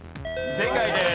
正解です。